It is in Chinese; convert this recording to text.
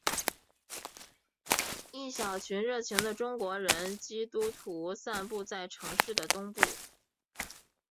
一小群热情的中国人基督徒散布在城市的东部。